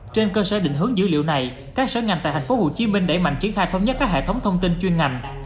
trên cơ sở định hướng dữ liệu này các sở ngành tại tp hcm đẩy mạnh triển khai thống nhất các hệ thống thông tin chuyên ngành